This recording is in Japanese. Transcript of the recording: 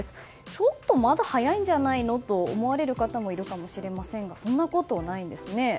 ちょっと、まだ早いんじゃないのと思われる方もいるかもしれませんがそんなことないんですね。